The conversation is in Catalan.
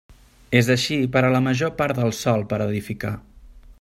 És així per a la major part del sòl per edificar.